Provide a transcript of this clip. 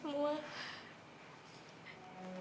kau yang terlalu keras ya